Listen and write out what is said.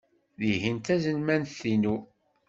Tihin d taselmadt-inu.